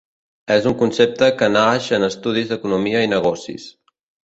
És un concepte que naix en estudis d'economia i negocis.